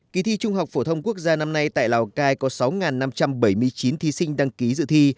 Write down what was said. kỳ thi trung học phổ thông quốc gia năm nay tại lào cai có sáu năm trăm bảy mươi chín thí sinh đăng ký dự thi